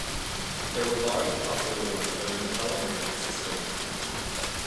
There were large cost overruns during the development of the system.